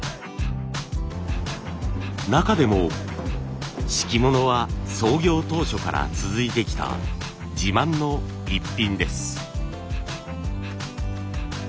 中でも敷物は創業当初から続いてきた自慢の一品です。